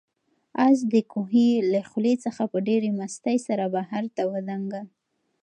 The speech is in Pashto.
آس د کوهي له خولې څخه په ډېرې مستۍ سره بهر ته ودانګل.